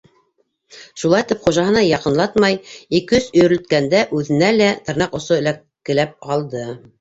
Шулайтып хужаһына яҡынлатмай ике-өс өйөрөлткәндә үҙенә лә тырнаҡ осо эләккеләп ҡалды.